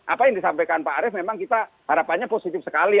apa yang disampaikan pak arief memang kita harapannya positif sekali